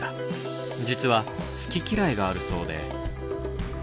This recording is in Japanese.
実は好き嫌いがあるそうで。